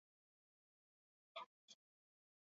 Astea zaparradekin eta tenperatura baxuagoekin hasiko dugu.